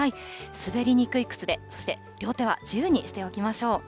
滑りにくい靴で、そして両手は自由にしておきましょう。